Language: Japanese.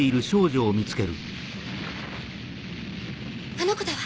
あの子だわ！